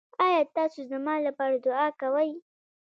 ایا تاسو زما لپاره دعا کوئ؟